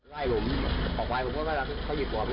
หลุดไปเรื่อยก่อนพี่